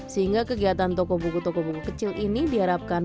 sehingga kegiatan toko buku toko buku kecil ini diharapkan